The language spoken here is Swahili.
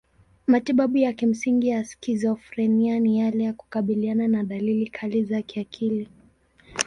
Matibabu ya kimsingi ya skizofrenia ni yale ya kukabiliana na dalili kali za kiakili.